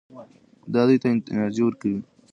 دا دوی ته انرژي ورکوي.